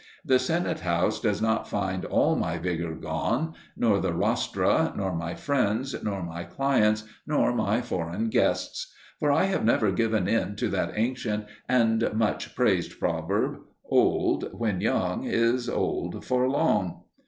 The Senate house does not find all my vigour gone, nor the rostra, nor my friends, nor my clients, nor my foreign guests. For I have never given in to that ancient and much praised proverb: Old when young Is old for long.